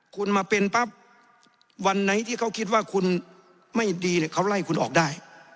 คุณมาเป็นปั๊บวันไหนที่เขาคิดว่าคุณไม่ดีเขาไล่คุณออกได้